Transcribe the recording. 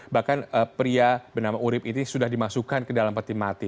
bahkan pria bernama urib ini sudah dimasukkan ke dalam peti mati